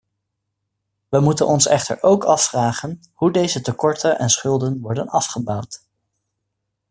We moeten ons echter ook afvragen hoe deze tekorten en schulden worden afgebouwd.